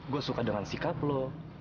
gua suka dengan sikap lu